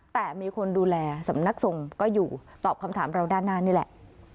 แต่มีคนดูแลสำนักทรงก็อยู่ตอบคำถามเราด้านหน้านี่แหละ